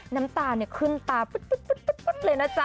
น้ำตาขึ้นตาแบบเลยนะจ๊ะ